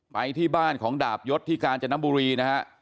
ไปที่บ้านของดาบยศที่กาญจนบุรีนะฮะ